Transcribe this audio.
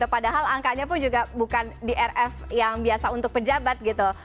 padahal angkanya pun juga bukan di rf yang biasa untuk pejabat gitu